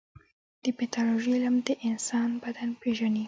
د پیتالوژي علم د انسان بدن پېژني.